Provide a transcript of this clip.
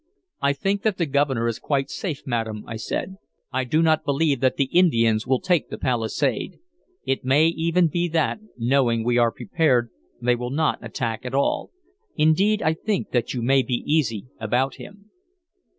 "I think that the Governor is quite safe, madam," I said. "I do not believe that the Indians will take the palisade. It may even be that, knowing we are prepared, they will not attack at all. Indeed, I think that you may be easy about him."